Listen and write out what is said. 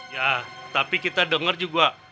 yah tapi kita denger juga